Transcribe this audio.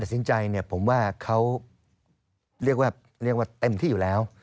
ตัดสินใจผมว่าเขาเรียกว่าเต็มที่อยู่แล้ว